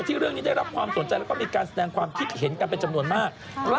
เรื่องนี้ได้รับความสนใจแล้วก็มีการแสดงความคิดเห็นกันเป็นจำนวนมาก